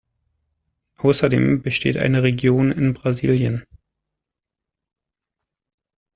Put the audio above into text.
Außerdem besteht eine Region in Brasilien.